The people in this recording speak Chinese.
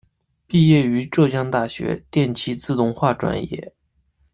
毕业于浙江大学电气自动化专业。